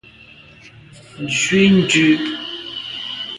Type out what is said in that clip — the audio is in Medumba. Nzwi dù.